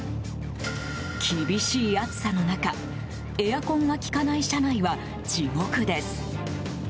厳しい暑さの中エアコンが利かない車内は地獄です。